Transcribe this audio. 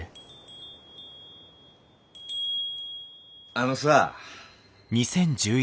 あのさ。